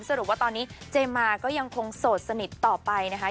สรุปว่าตอนนี้เจมาก็ยังคงโสดสนิทต่อไปนะคะ